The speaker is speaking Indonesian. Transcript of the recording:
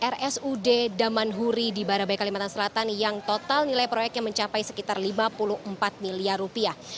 rsud damanhuri di barabai kalimantan selatan yang total nilai proyeknya mencapai sekitar lima puluh empat miliar rupiah